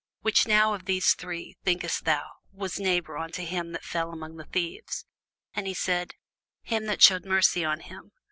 Which now of these three, thinkest thou, was neighbour unto him that fell among the thieves? And he said, He that shewed mercy on him.